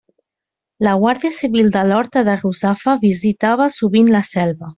La guàrdia civil de l'horta de Russafa visitava sovint la selva.